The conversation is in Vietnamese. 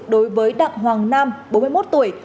đối với đặng hoàng nam bốn mươi một tuổi